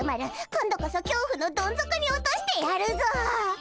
今度こそ恐怖のどん底に落としてやるぞ！